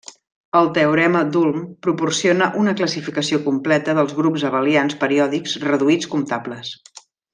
El teorema d'Ulm proporciona una classificació completa dels grups abelians periòdics reduïts comptables.